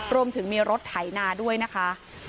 รวมถึงมีรถไถนาด้วยนะคะ